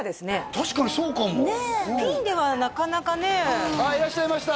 確かにそうかもピンではなかなかねああいらっしゃいました